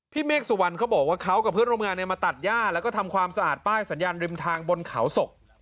เมฆสุวรรณเขาบอกว่าเขากับเพื่อนร่วมงานมาตัดย่าแล้วก็ทำความสะอาดป้ายสัญญาณริมทางบนเขาศก